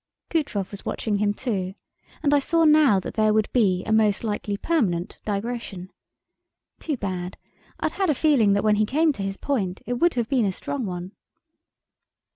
Kutrov was watching him, too, and I saw now that there would be a most likely permanent digression. Too bad I'd had a feeling that when he came to his point, it would have been a strong one.